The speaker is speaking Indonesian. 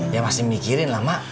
ya masih mikirin lah mak